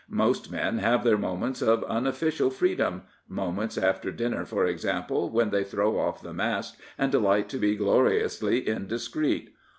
Most men have their moments of unofiicial freedom — moments, after dinner, for example, when they throw off the mask and delight to be gloriously in discreet.